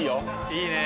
いいね！